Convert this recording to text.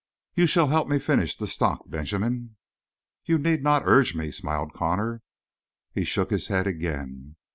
You shall help me finish the stock, Benjamin." "You need not urge me," smiled Connor. He shook his head again.